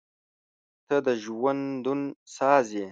• ته د ژوندون ساز یې.